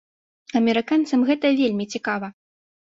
Амерыканцам гэта вельмі цікава.